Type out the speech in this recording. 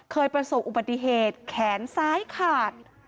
เคยประสบอุบัติเหตุแขนซ้ายขาด